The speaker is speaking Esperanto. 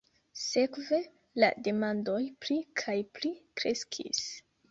Sekve la demandoj pli kaj pli kreskis.